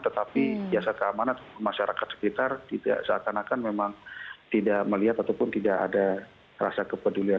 tetapi jasa keamanan masyarakat sekitar tidak seakan akan memang tidak melihat ataupun tidak ada rasa kepedulian